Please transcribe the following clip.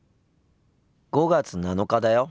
５月７日だよ。